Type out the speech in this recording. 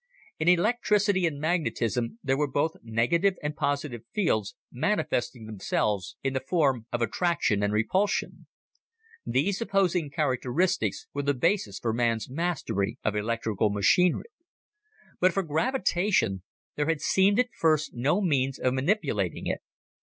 In electricity and magnetism there were both negative and positive fields manifesting themselves in the form of attraction and repulsion. These opposing characteristics were the basis for man's mastery of electrical machinery. But for gravitation, there had seemed at first no means of manipulating it.